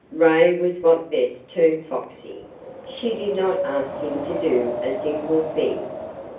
Ray was what Bess termed "foxy." She did not ask him to do a single thing.